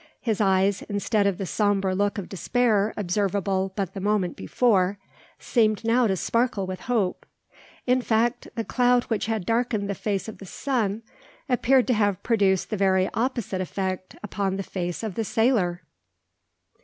His eyes, instead of the sombre look of despair observable but the moment before, seemed now to sparkle with hope. In fact, the cloud which had darkened the face of the sun appeared to have produced the very opposite effect upon the face of the sailor!